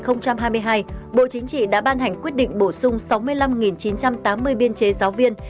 năm hai nghìn hai mươi hai bộ chính trị đã ban hành quyết định bổ sung sáu mươi năm chín trăm tám mươi biên chế giáo viên